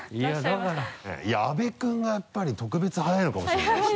阿部君がやっぱり特別速いのかもしれないし。